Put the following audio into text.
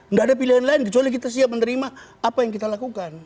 nggak ada pilihan lain kecuali kita siap menerima apa yang kita lakukan